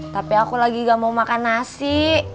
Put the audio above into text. tapi aku lagi gak mau makan nasi